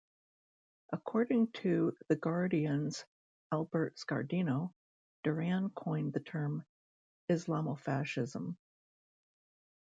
According to "The Guardian"'s Albert Scardino, Duran coined the term "Islamofascism.